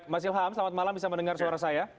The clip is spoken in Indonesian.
mas ilham selamat malam bisa mendengar suara saya